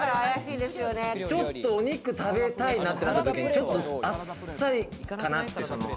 ちょっとお肉食べたいなってなった時に、あっさりかなっていう。